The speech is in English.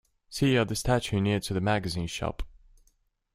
See you at the statue near to the magazine shop.